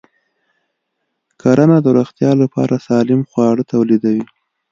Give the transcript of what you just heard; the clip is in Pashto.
کرنه د روغتیا لپاره سالم خواړه تولیدوي.